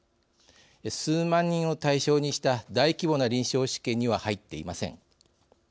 数万人を対象にした大規模な臨床試験には入っていません。